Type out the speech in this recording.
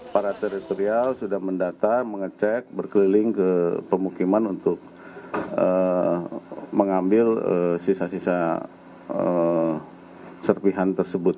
para teritorial sudah mendata mengecek berkeliling ke pemukiman untuk mengambil sisa sisa serpihan tersebut